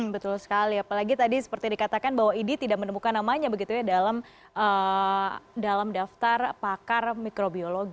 betul sekali apalagi tadi seperti dikatakan bahwa idi tidak menemukan namanya begitu ya dalam daftar pakar mikrobiologi